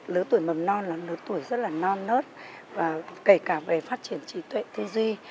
lưới tuổi mầm non là lưới tuổi rất là non nớt kể cả về phát triển trí tuệ thế duy